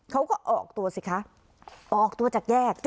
เขาก็ออกตัวสิคะออกตัวจากแยก